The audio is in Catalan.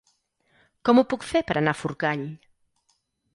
Com ho puc fer per anar a Forcall?